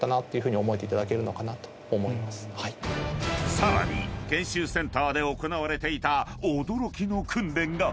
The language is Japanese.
［さらに研修センターで行われていた驚きの訓練が］